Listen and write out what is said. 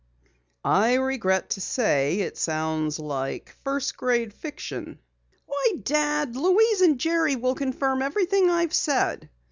"I regret to say it sounds like first grade fiction." "Why, Dad! Louise and Jerry will confirm everything I've said."